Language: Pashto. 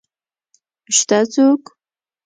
شته څوک؟